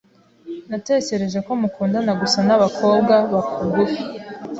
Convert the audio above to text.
Natekereje ko mukundana gusa nabakobwa bakugufi.